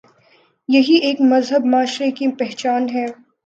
یہی ایک مہذب معاشرے کی پہچان ہے۔